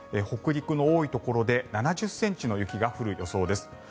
北陸の多いところで７０ｃｍの雪が降る予想です。